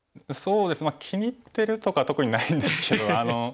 そうですね気に入ってるとか特にないんですけど。